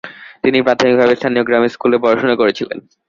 তিনি প্রাথমিকভাবে স্থানীয় গ্রামের স্কুলে পড়াশোনা করেছিলেন।